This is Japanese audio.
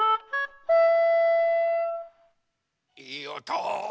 いいおと！